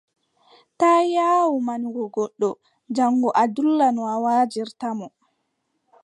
Taa yaawu manugo goɗɗo jaŋgo a dulla no a wajirta mo.